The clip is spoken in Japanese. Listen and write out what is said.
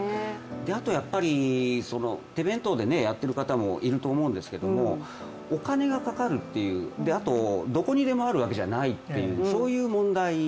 あと、手弁当でやっている方もいると思うんですけれども、お金がかかるという、あと、どこにだってあるわけじゃないという問題。